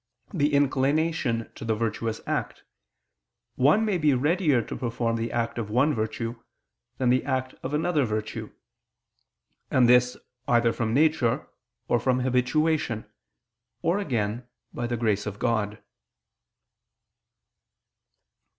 the inclination to the virtuous act, one may be readier to perform the act of one virtue, than the act of another virtue, and this either from nature, or from habituation, or again by the grace of God.